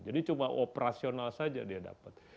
jadi cuma operasional saja dia dapat